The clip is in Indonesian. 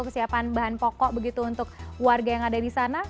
kesiapan bahan pokok begitu untuk warga yang ada di sana